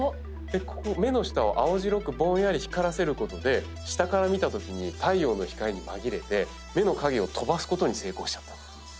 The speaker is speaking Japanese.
目の下を青白くぼんやり光らせることで下から見たときに太陽の光に紛れて目の影を飛ばすことに成功しちゃった。